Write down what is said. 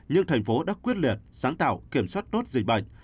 nhưng thành phố đã quyết liệt sáng tạo kiểm soát tốt dịch bệnh